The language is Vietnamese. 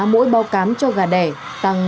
mỗi bao cám cho gà đẻ tăng